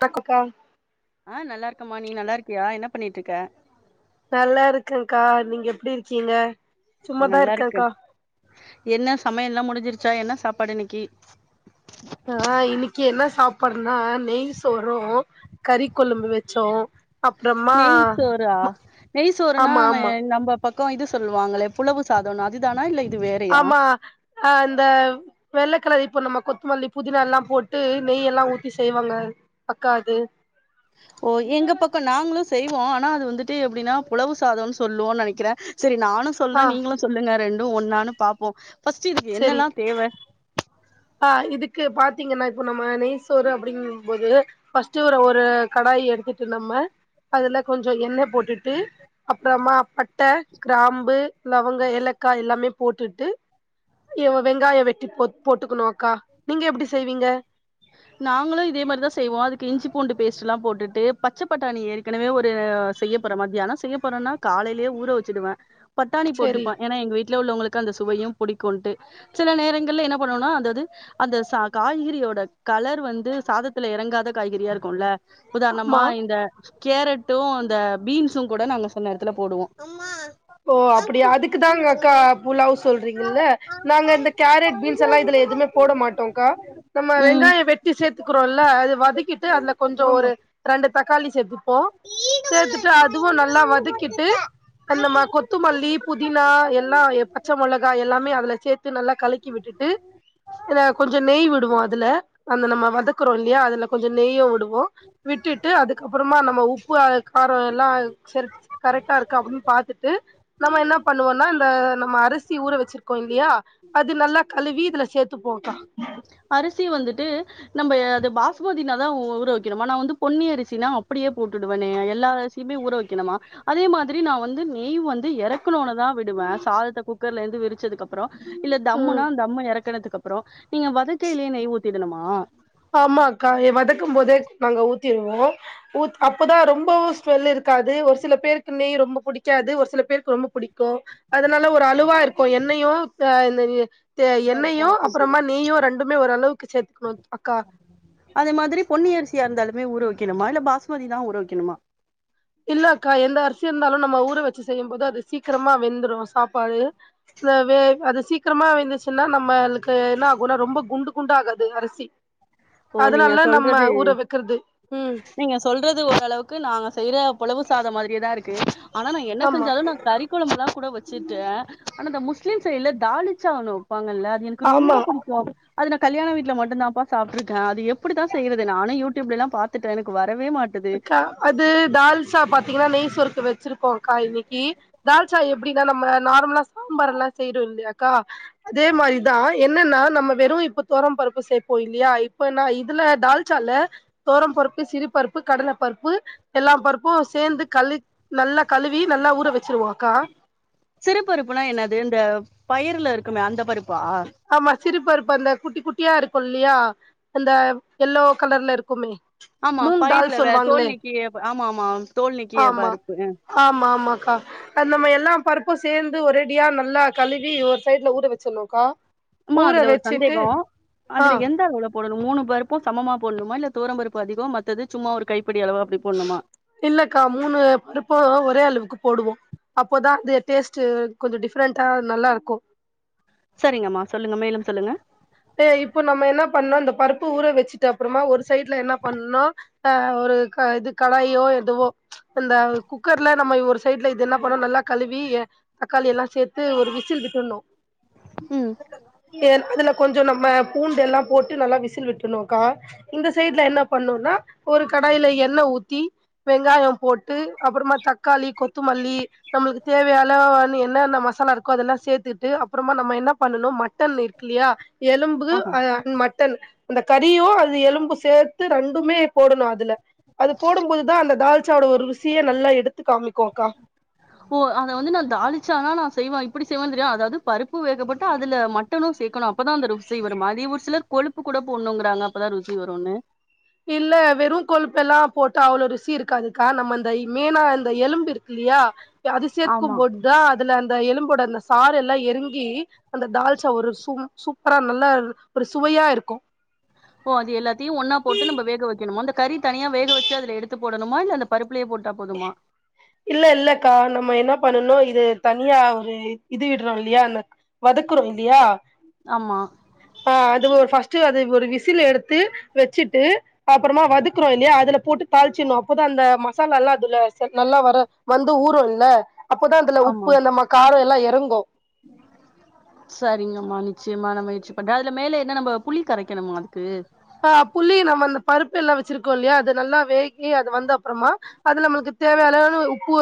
கக்கொக்கா ஆ நல்லாருக்கம்மா நீ நல்லாருக்கியா என்ன பண்ணிட்ருக்க நல்லாருக்கங்கா நீங்க எப்டி இருக்கீங்க ஆ சும்மாதா நல்லாருக்கே இருக்கேன்க்கா என்ன சமையல்லா முடிஞ்சிரு ச்சா என்ன சாப்பாடு இன்னைக்கி ஆ இன்னைக்கு என்ன சாப்பாடுனா நெய் சோறு கறி கொழம்பு வெச்சோ அப்றமா நெய் சோறா நெய்சோறுனா ஆமா ஆமா நம்ம பக்கோ இது சொல்லுவாங்களே புலவு சாதோனு இது தானா இல்லை ஆமா அ அந்த வெள்ள கலர் இப்போ நம்ம கொத்தமல்லி புதினாலா போட்டு நெய்யெல்லா ஊத்தி செய்வாங்க அக்கா அது அக்கா நாங்களு செய்வோ ஆனா அது வந்துட்டு எப்டின்னா புளவு சாதம்னு சொல்லுவோன்னு நெனைக்கிறே செரி நானு சொல்றே ஆ நீங்களு சொல்லுங்க ரெண்டு ஒன்னானு பாப்போ ஃபஸ்ட்டு இதுக்கு செரி என்னெல்லா தேவ ஆ இதுக்கு பாத்தீங்கன்னா இப்ப நம்ம நெய்சோறு அப்படிங்கும் போது ஃபர்ஸ்ட்டு ஒரு ஒரு கடாயி எடுத்துட்டு நம்ம அதுல கொஞ்சோ எண்ணெ போட்டுட்டு அப்புறமா ப பட்ட கிராம்பு லவங்க ஏலக்கா எல்லாமே போட்டுட்டு இவ வெங்காய வெட்டி போ போட்டுக்கணு அக்கா நீங்க எப்டி செய்வீங்க நாங்களு இதே மாதிரிதா செய்வோ அதுக்கு இஞ்சி பூண்டு பேஸ்ட்லா போட்டுட்டு பச்சை பட்டாணி ஏற்கனவே ஒரு செய்யப்போற மதியானா செய்யப் போறேன்னா காலைலயே ஊர வச்சுடுவே பட்டாணி சேரி போட்டுப்பா ஏனா எங்க வீட்ல உள்ளவங்களுக்கு அந்த சுவையு பிடிக்குன்ட்டு சில நேரங்கள்ல என்ன பண்ணுவோன்னா அந்தது அந்த சா காய்கறியோட கலர் வந்து சாதத்துல எறங்காத காய்கறியா இருக்குல்ல உதாரணமா ஆமா இந்த கேரட்டு இந்த பீன்ஸு கூட நாங்க சில நேரத்துல போடுவோ ஓ அப்படியா அதுக்குதாங்க அக்கா புலாவ் சொல்றீங்கல்ல நாங்க இந்த கேரட் பீன்ஸ் எல்லா இதுல எதுமே போட மாட்டோன்க்கா நம்ம ம் வெங்காய வெட்டி சேத்துக்கிறோல்ல அது வதக்கிட்டு அதுல கொஞ்சோ ஒரு ரெண்டு த தக்காளி சேத்துப்போ சேத்துட்டு அதுவு நல்லா வதக்கிட்டு அந்த மசா கொத்துமல்லி புதினா எல்லா பச்சை மொளகா எல்லாமே அதுல சேத்து நல்லா கலக்கி விட்டுட்டு ஏன கொஞ்ச நெய் விடுவோ அதுல அந்த நம்ம வதக்குறோ இல்லையா அது ல கொஞ்ச நெய்ய விடுவோ விட்டுட்டு அதுக்கப்புறமா நம்ம உப்பு ஆ கார எல்லா செரி கரெக்டா இருக்கா அப்டின்னு பாத்துட்டு து நம்ம என்னா பண்ணுவோன்னா இந்த நம்ம அரிசி ஊற வச்சிருக்கோ இல்லையா அது நல்லா கழுவி இதுல சேத்துப்போக்கா அரிசி வந்துட்டு நம்ம அது பாஸ் சுமதினா தா ஊரவைக்கணுமா நா வந்து பொன்னி அரிசினா அப்படியே போட்டுடுவேனே எல்லா அரிசியுமே ஊறவைக்கணுமா அதே மாதிரி நா வந்து நெய் வ ந்து இறக்குனோனேதா விடுவே சாதத்த குக்கர்ல இருந்து விரிச்சதுக்கு அப்புற இல்ல ம் தம்முனா தம்ம இறக்கனதுக்கு அப் ஆமா அக்கா எ வத க்கும் போதே நாங்க ஊத்திருவோ ஊத் அப்பதா ரொம்பவு ஸ்மெல் இருக்காது ஒரு சில பேருக்கு நெய் ரொம்ப பிடிக்காது ஒரு சில பேருக்கு ரொம்ப பிடிக்கு அதனால ஒரு அழுவா இருக்கு எண்ணெயு இந்த தே எண்ணெயு அப்புறமா நெய்யு ரெண்டுமே ஓரளவுக்கு சேத்துக்கணு அக்கா னியா இருந்தாலுமே ஊரவைக்கணுமா இல்ல பாஸ்மதிதா ஊரவைக்கணுமா இல்ல அக்கா எந்த அரிசி இருந்தாலு நம்ம ஊற வச்சு செய்யும் போது அது சீக்கிரமா வெந்துடும் சாப்பாடு த வே அது சீக்கிரமா வெந்துச்சுன்னா நம்மளுக்கு என்ன ஆகுன்னா ரொம்ப குண்டு குண்டா ஆகாது அரிசி ஓ நீங்க அதனால நம்ம சொல்றது ஊற வெக்கிறது ம் நீங்க சொல்றது ஓரளவுக்கு நாங்க செய்ற புளவு சாத மாதிரியேதா இருக்கு ஆனா நா என்ன ஆமா செஞ்சாலு நா கறி குழம்புல்லா கூட வச்சுட்டே ஆனா இந்த முஸ்லீம் சைட்ல தாலிச்சா ஒன்னு வைப்பாங்கல்ல அது எனக்கு ரொம்ப ஆமா பிடிக்கு அது நா கல்யாண வீட்ல மட்டுன்தா சாப்ட்ருக்கே அது எப்படிதா செய்றது நானு யூடியூப்லல்லா பாத்துட்டே எனக்கு வர் அக்கா அது தால்சா பாத்தீங்கன்னா நெய்சோறுக்கு வெச்சிருக்கோக்கா இன்னைக்கி தால்சா எப்டிக்கா நம்ம நார்மலா சாம்பார் எல்லா செய்றோ இல்லையாக்கா அதே மாரிதா எ என்னன்னா நம்ம வெறு இப்ப துவரம் பருப்பு சேப்போ இல்லையா இப்ப நா இதுல டால்சால்ல துவரம் பருப்பு சிறு பருப்பு கடலபருப்பு எல்லா பருப்பு சேந்து கழு நல்லா கழுவி நல்லா ஊற வெச் சிறு பருப்புனா என்னது இந்த பயருல இருக்குமே அந்த பருப்பா சிறு பருப்பு அந்த குட்டி குட்டியா இருக்கு இல்லையா அந்த எல்லோ கலர்ல இருக்குமே ஆமா மூங் பயிர்ல தால் வே தோல் சொல்லுவாங்ளே நீக்கிய ப- ஆமா ஆமா தோல் நீக்கிய ஆமா பருப்பு அஹ். ஆமா ஆமாக்கா அந் நம்ம எல்லா பருப்பு சேந்து ஒரேடியா நல்லா கழுவி ஒரு சைட்ல ஊற வச்சிடணு கா ம்மா அதுல ஒரு சந்தேக ஆ அதுல எந்த ஒல போடனு மூணு பருப்பு சமமா போடணுமா இல்ல தோரபருப்பு அதிக மத்தது சும்மா ஒரு கை இல்லக்கா மூணு பருப்பு ஒரே அளவு கு போடுவோ அப்போதா அது டேஸ்ட் கொஞ்ச டிஃப்ரெண்டா நல்லா இருக்கு சரிங்கம்மா சொல்லுங்க மேலும் சொல்லுங்க எ இப்போ நம்ம என்ன பண்ணு இந்த பருப்ப ஊற வச்சிட்டு அப்புறமா ஒரு சைட்ல என்ன பண்னுனா அ ரு க இது கடாயோ எதுவோ ச் இந்த குக்கர்ல நம்ம ஒரு சைட்ல இது என்ன பண்ணனு நல்லா கழுவி எ தக்காளி எல்லா சேத்து ஒரு விசில் விட்டுனு ம் ஏ அதுல கொஞ்சோ நம்ம பூண்டு எல்லா போட்டு நல்லா விசில் விட்டுனுக்கா இந்த சைட்ல என்ன பண்ணுனா ஒரு கடாயி ல எண்ணெ ஊத்தி வெங்காய போட்டு அப்புறமா தக்காளி கொத்துமல்லி நம்மளுக்கு தேவயா [unintelligible] என்னென்ன மசாலா இருக்கோ அதெல்லா சேத்துட்டு அப்றமா நம்ம என்ன பண்ணனு மட்டன் இருக்கில்லையா எலும்பு ஆ அ அன் மட்டன் அந்த கறியு அது எலும்பு சேர்த்து ரெண்டுமே போடணு அதுல அது போடும் போதுதா அந்த தால்ச்சாவோட ஒரு ருசியே நல்லா எடுத் ஓ அத வந்து நா தாலிச்சாலா நா செய்வாய் ப்படி செய்வோனு தெரியா அதாவது பருப்பு வேகப்போட்டு அதுல மட்டனு சேக்கணு அப்பதா அந்த ருசி வருமா றி ஒரு சிலர் கொழுப்புக்கு ட போட்ணுங்குறாங்க அப்பதா ருசி வருனு இல்ல வெறு கொழுப்பெல்லா போட்டா அவ்ளோ ருசி இருக்காதுக்கா நம்ம அந்த இ மேனா அந்த எலும்பு இருக்கு யா அது ஆமா சேத்க்கும்போதுதா அதுல அந்த எலும்போட அந்த சாறு எல்லா எறங்கி அந்த தால்ச்சா ஒரு சூ சூப்பரா நல்ல ஒரு சுவையா இருக்கு ஓ அது எல்லாத்தையு ஒன்னா போட்டு நம்ப வேக வக்கணுமா அந்த கறி தனியா வேக வச்சு அதுல எடுத்து போடணுமா இல்ல பருப்புலயே போ ட்டா போதுமா இல்ல இல்லக்கா நம்ம என்ன பண்ணணு இது தனியா ஒரு இது விடுறோ இல்லியா அந்த வதக் க்குறோ இல்லியா ஆமா அ அது ஒ ஃபஸ்ட் டு அத ஒரு விசில் எடுத்து வெச்சுட்டு அப்றமா வதக்குறோ இல்லியா அதுல போட்டு தாளிச்டனு அப்போதா அந் இந்த மசாலாலா அதுல செ நல்லா வர வந்து ஊரு இல்ல அப்போதா இதுல ஆமா உப்பு அந்த மா கார எல்லா எறங்கு [inaudible] சரிங்கம்மா நிச்சயமா நா முயற்சி பண்றே அதுல மேல என்ன நம்ம புளி கரைக்கணுமா அதுக்கு ஆ புளி நம்ம அந்த பருப்பு எல்லா வச்சிருக்கோ இல்லையா அது நல்லா வேகி அது வந்த அப்றமா அது நம்மளுக்கு தேவையளவு உப்பு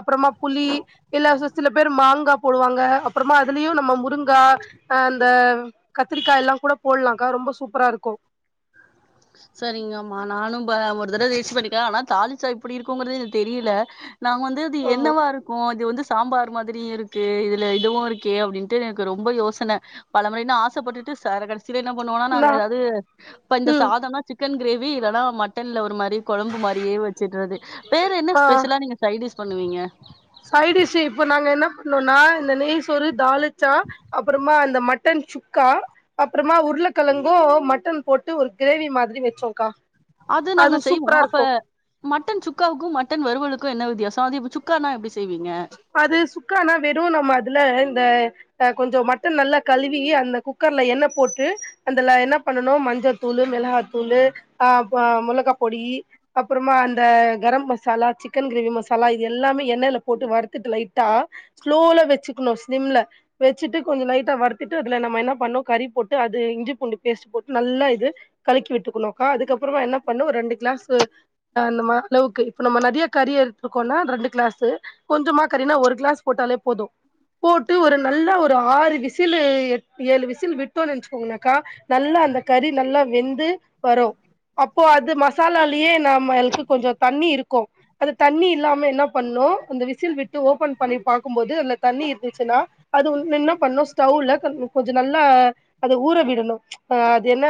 அப்றமா புளி இல்ல சி சில பேர் மாங்கா போடுவாங்க அப்றமா அதுலயு நம்ம முருங்கா அ அந்த கத்திரிக்கா எல்லா கூட போடலாக்கா ரொம்ப சூப்பரா இருக்கு சரிங்கம்மா நானு ப ஒரு தடவ வேஸ்ட் பண்ணிட்டே ஆனா தாலிச்சா இப்டி இருக்குங்கறது எனக்கு தெரில நாங்க வந்து அது ஆமா என்னவா இருக்கு இது வந்து ஸ் சாம்பார் மாதிரி இருக்கே இதுல இதுவு இருக்கே அப்டின்டு எனக்கு ரொம்ப யோசன பல முறை நா ஆசைப்பட்டுட்டு சரக்கடிச்சுட்டு என்ன பண்ணுவோனா நா நாங்க ஏதாவது இப்ப இந்த ம் சாதம்னா சிக்கன் கிரேவி இல்லனா மட்டன்ல ஒரு மார் ப்டி கொழம்பு மாரியே வச்சுறது வேற என்ன ஸ்பெஷலா நீங்க சைடிஷ் பண்ணுவீங்க சைடிஷு இப்ப நாங்க என்ன பண்ணுவோனா இந்த நெய் சோறு தாலிச்சா அப்றமா இந்த மட்டன் சுக்கா அப்றமா உருளக்கெழங்கு மட்டன் போட்டு ஒரு கிரேவி மாதிரி வச்சோக்கா அது நாங்க செய்வோ அப்ப மட்டன் சுக்காவுக்கு மட்டன் வருவலுக்கு என்ன வி த்தியாச அது இப் சுக்கானா எப்டி ஸ் அது சுக்கானா வெறு நம்ம அதுல இந்த அ கொஞ்ச மட்டன் நல்லா கழுவி அந்த குக்கர்ல எண்ண போட்டு அந்தல என்ன பண்ணனு மஞ்ச தூள் ளு மிளகாத்தூளு ஆ ப மொளகா பொடி அப்பறமா அந்த கரம் மசாலா சிக்கன் கிரேவி மசாலா இது எல்லாமே எண்ணய்ல போட்டு வருத்துட்டு லைட்டா ஸ்லோல வச்சுக்ணு சிம்ல வெச்சுட்டு கொஞ்ச லைட்டா வருத்துட்டு அதுல ந நம்ம என்ன பண்ணும் கறி போட்டு அது இஞ்சி பூண்டு பேஸ்ட் போட்டு நல்லா இது கலக்கிவிட் இருக்கணும்க்கா அதுக்கப்புறம் என்ன பண்ணு ஒரு ரெண்டு கிளாஸு அந்த அளவுக்கு இப்ப நம்ம நிறய கறி எடுத்துருக்கோம்னா ரெண்டு கிளாஸு கொஞ்சமா கறினா ஒரு கிளாஸ் போட்டாலே போதும் போட்டு ஒரு நல்லா ஒரு ஆறு விசிலு ஏழு விசில் விட்டோ நினச்சிக்கோங்கக்கா நல்லா அந்த கறி நல்லா வெந்து வரும் அப்போ அது மசாலாலயே நம்மளுக்கு கொஞ்சம் தண்ணி இருக்கும் அது தண்ணி இல்லாம என்ன பண்ணு னோ அந்த விசு விசில் விட்டு ஓபன் பண்ணி பாக்கும்போது அந்த தண்ணி இருந்துச்சுன்னா அது வந் என்ன பண்ணு ஸ்டவ்ல கொ கொஞ்ச நேரொ நல்லா அத ஊற விடணும் அது என்ன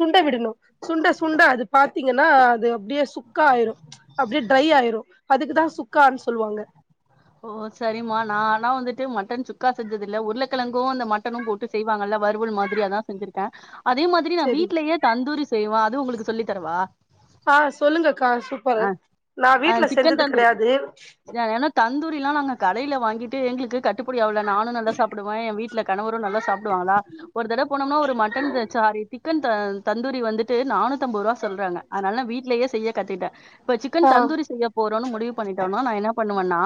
சுண்ட விடணும் சுண்ட சுண்ட அது பா பாத்தீங்கன்னா அது அப்டியே சுக்கா ஆயிரும் அப்டியே ட்ரை ஆயிரும் அதுக்குதான் சுக்கான்னு சொல்லுவாங்க ஒ சரிமா நானா வந்துட்டு மட்டன் சுக்கா செஞ்சது இல்ல உருளைக்கிழங்கும் அந்த மட்டனும் போட்டு செய்வாங்கல்ல வறுவல் மாதிரி அதான் செஞ்சிருக்கேன் அதே மாதிரி நான் செரி வீட்லேயே தந்தூரி செய்வேன் அது உங்களுக்கு சொல்லி தரவா ஆ சொல்லுங்கக்கா சூப்பரு ஆ நான் ஆ வீட்டுல செஞ்சது கிடையாது தந்தூரில்லா நாங்க கடையில வாங்கிட்டு எங்களுக்கு க கட்டுபடி ஆவள நானும் நல்லா சாப்பிடுவேன் என் வீட்ல கணவரும் நல்லா சாப்பிடுவாங்களா ஒரு தடம் போனோம்னா ஒரு மட்டன் சாரி சிக்கன் தந்தூரி வந்துட்டு நானூத்தம்பதுரூவா சொல்றாங்க அதனால நா வீட்லேயே செய்ய கத்துகிட்டன் இப்ப சிக்கன் ஆ தந்தூரி செய்யப் போறோம்னு முடிவு பண்ணிட்டோம்னா நா என்ன பண்ணுவன்னா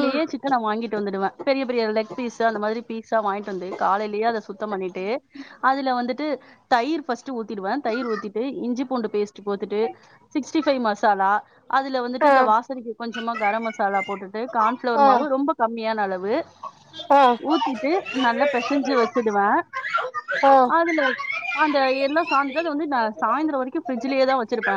ம் சிக்கன்ன வாங்கிட்டு வந்துடுவன் பெரிய பெரிய லெக் பீஸ் அந்த மாரி பீஸா வாங்கிட்டு வந்து காலைலேயே அத சுத்தம் பண்ணிட்டு அதுல வந்துட்டு தயிர் ஃபஸ் டு ஊத்திடுவன் தயிர் ஊத்திட்டு இஞ்சி பூண்டு பேஸ்ட் போட்டுட்டு சிஸ்டி ஃபைவ் மசாலா அதுல வந்துட்டு ஆ இந்த வாசனைக்கு கொஞ்சமா கரம் மசாலா போட்டுட்டு கார்ன்ஃபிளவர் ஆ மாவு ரொம்ப கம்மியான அளவு ஆ ஊத்திட்டு நல்லா பெசைஞ்சு வச்சிடுவ ஆ அதுல அந்த எல்லாம் சாந்து அதவந்து நான் சாய்ந்திரம் வரைக்கும் பிரிட்ஜ்லயே தான் வச்சிருப்ப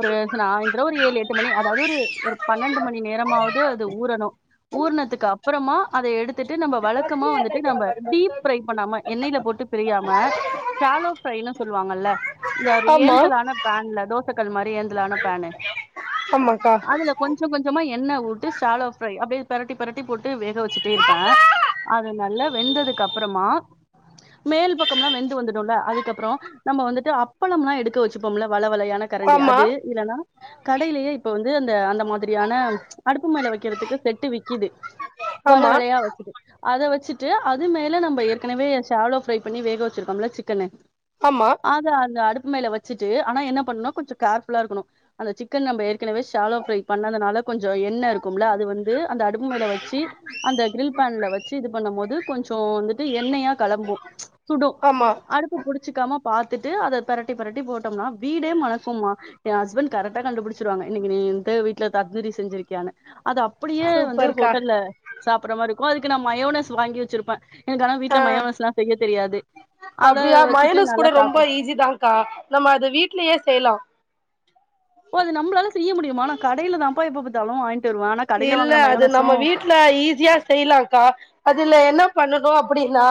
ஒரு சாய்ந்திரம் ஒரு ஏழு எட்டு மணி அதாவது ஒரு ஒரு பன்னெண்டு மணி நேர ரமாவது அது ஊறணும் ஊறுணத்துக்கு அப்புறமா அதை எடு த்துட்டு நம்ம வழக்கமா வந்துட்டு நம்ப டீப் ஃப்ரை பண்ணாம எண்ணெய்யில போட்டு பிரியாம ஷலோ ஃபிரை ன்னு சொல்லுவாங்கல்ல இந்த ஆமா ஏந்தலான ஃபேன்ல தோசைக்கல் மாரி ஏந்தலான பேனு ஆமாக்கா அதுல கொஞ்சம் கொஞ்சமா எண்ணெ வுட்டு ஷலோ ஃப்ரை அப்படியே பெரட்டி பெரட்டி போட்டு வேக வச்சுட்டே இருப்பன் அது நல்லா வெந்ததுக்கு அப்புறமா மேல் பக்கம்லாம் வெந்து வந்துடும்ல அதுக்கப்புறம் நம்ம வந்துட்டு அப்பளம்லாம் எடுக்க வச்சுப்போம்ல வல வல யான கரண்டி ஆமா அது இல்லன்னா கடையிலயே இப்ப வந்து அந்த அந்த மாதிரியான அடுப்பு மேல வைக்கிறத்துக்கு செட்டு விக்கிது வலயா ஆமா வலயா வச்சது அதை வச்சிட்டு அது மேல நம்ம ஏற்கனவே ஷலோ ஃப்ரை பண்ணி வேக வச்சிருக்கோம்ல சிக்கனு ஆமா அது அந்த அடுப் ப்பு மேல வச்சுட்டு ஆனா என்ன பண்ணணும் கொஞ்சம் கேர்ஃபுல்லா இருக்கணும் அந்த சிக்கன் நம்ம ஏற்கனவே ஷலோ ஃப்ரை பண்ணதுனால கொஞ்சம் எண்ணெ இருக்கும்ல அது வந்து அந்த அடுப்பு மேல வச்சு கொஞ்சொ வந்துட்டு எண்ணெயா களம்பும் சுடும் ஆமா அடுப்பு புடிச்சிக்காம பாத்துட்டு அத பெரட்டி பெரட்டி போட்டோம்னா வீடே மணக்கும்மா என் ஹஸ்பண்ட் கரெக்டா கண்டுபுடிச்சிருவாங்க இன்னைக்கு நீ வந்டு வீட்டுல தந்தூரி செஞ்சிருக்கியானு அது அப்படியே வந்து சூப்பர்க்கா ஹோட்டல்ல சாப்பிடுற மாரிருக்கும் அதுக்கு நா மயோனஸ் வாங்கி வச்சிருப்பே எனக்கு ஆனா வீட்டுல மயோனஸ்லாம் செய்ய தெரியாது அத அப்படியா வச்சுட்டு மயோனஸ் கூட நல்லா சாப்ட்ரு ரொம்ப ஈஸி தான்கா நம்ம அத வீட்லயே செய்யலாம் ஓ அது நம்ளால செய்ய முடியுமா நா கடையில தான்ப்பா எப்ப பாத்தாலும் வாங் இல்ல அது நம்ம வீட்டு்ல ஈஸியா செய்யலாம்கா அதுல என்ன பண்ணனும் அப்டின்னா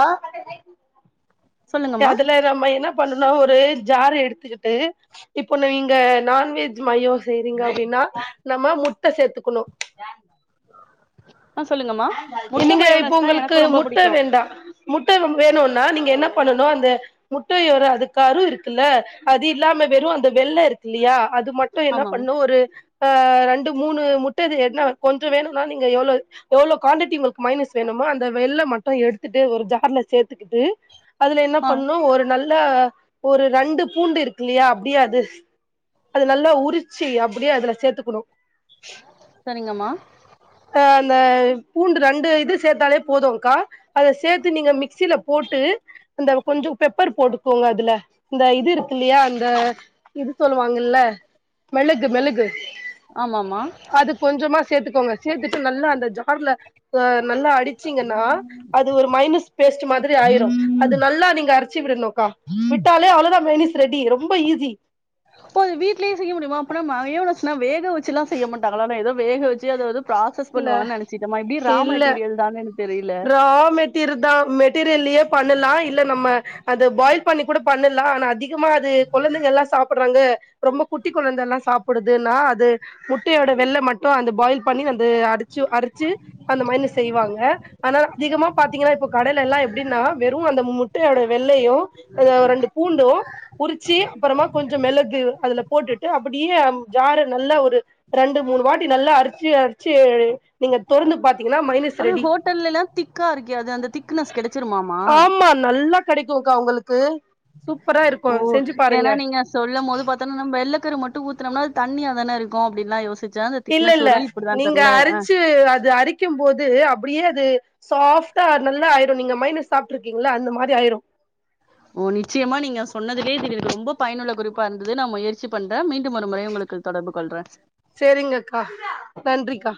சொல்லுங்கம்மா அதுல நம்ம என்ன பண்ணனும் ஒரு ஜார் எடுத்துக்கிட்டு இப்ப நீங்க நான்வெஜ் மயோ செய்றீங்க அப்டின்னா னா நம்ம முட்ட சேத்துக்கணும் ஆ சொல்லுங்கம்மா முட்ட நீங்க இப்போ மயோனஸ் தா உங்களுக்கு எனக்கு ரொம்ப முட்ட புடிக்கு வேண்டாம் முட்ட வேணும்னா நீங்க என்ன பண்ணனும் அந்த முட்டையோட அது கரு இருக்குல்ல அது இல்லாம வெறும் அந்த வெள்ள இருக்கு இல்லையா அது மட்டு என்ன ஆமாமா பண்ணு ஒரு அ ரெண்டு மூணு முட் டது என்ன கொஞ்சோ வேணுன்னா நீங்க எவ்ளோ எவ்ளோ கோன்டிட்டி உங்களுக்கு மைனஸ் வேணுமோ அந்த வெள்ள மட்டு எடுத்துட்டு ஒரு ஜார்ல சேத்துக்கிட்டு அதுல என்ன ஆ பண்ணு ஒரு நல்ல ஒரு ரெண்டு பூண்டு இருக்குல்லையா அப்டி அது அது நல்லா உரிச்சி அப்டியே அதுல சேத்துக்குணு சரிங்கம்மா அ அந்த பூண்டு ரெண்டு இது சேத்தாலே போதுங்கா அத சேத்து நீங்க மிக்சில போட் ட்டு அந்த கொஞ்சோ பெப்பர் போட்டுக்கோங்க அதுல இந்த இது இருக்கு இல்லையா அந்த இது சொல்லுவாங்கல்ல மிளகு மிளகு ஆமாமா அது கொஞ்சமா சேத்துக்கோங்க ட்டு நல்லா அந்த ஜார்ல நல்லா அடிச்சீங்கன்னா அது ஒரு மைனஸ் பேஸ்ட்டு மாதிரி ஆயி ரு அது நல்லா நீங்க அரச்சி விடணுக்கா விட்டாலே அவ்வளோதா மேனிஸ் ரெடி ரொம்ப ஈஸி னா வேக வச்சுலா செய்ய மாட்டாங்களா ஏதோ வேக வச்சு அத வந்து ப்ராசஸ் இல்ல பண்ணுவான் நனச்சிட்டமா இப்டி ரா இல்ல மெட்டீரியல் தான ரா மெட்டிரு தா மெட் மெட்டீரியல்லயே பண்ணலா இல்ல நம்ம அத பாய்ல் பண்ணி கூட பண்ணலாம் ஆனா அதிக கமா அது குழந்தைங்க எல்லா சாப் புட்றாங்க ரொம்ப குட்டி குழந்த எல்லா சாப்டுதுன்னா அது முட்டையோட வெள்ள மட்டு அந்த பாயில் பண்ணி அந் து அடிச்சு அரிச்சு அந்த மயேனஸ் செய்வாங்க ஆனா அதிகமா பாத்தீங்கன்னா இப்ப கடலைலல்லா எப்டின்னா வெறு அந்த முட்டோட வெள்ளையு ரெண்டு பூ பூண்டு உரிச்சி அப்றமா கொஞ்சோ மெளகு அதுல போட்டுட்டு அப்டியே ஜாரு நல்ல ஒரு ரெண்டு மூணு வாட்டி நல்லா அரிச்சு அரிச்சு நீங்க தொறந்து பாத் தீங்ன்னா மைனஸ் ரெடி ல்லலா திக்கா இருக்கே அது அந்த திக்னஸ் கெடச்சிருமாமா கா உங்களுக்கு சூப்பரா ஓ இருக்கு செஞ்சு பாருங்க ஏன்னா நீங்க சொல்லும் போது பாத்தோனா நம்ம ஏள்ள தர் மட்டு ஊத்தனம்னா ஆது தண்ணியா தான இருக்கு அப்டின்ல்லாம் யோசி இல்லல்ல நீங்க அரிச்சு அது அரிக்கும்போது அப்டியே அது சாஃப்டா நல்லா ஆய்ரு நீங்க மைனஸ் சாப்ட்டுருக்கீங்களா அந்த மாரி ஆய்ரு ஓ நிச்சயமா நீங்க சொன்னதுலேது ரொம்ப பயனுள்ள குறிப்பா இருந்தது நா முயற்சி பண்ற மீண்டும் ஒரு முறை உங்களுக் கு தொடர்பு கொள்ற சேரிங்கக்கா நன்றிக்கா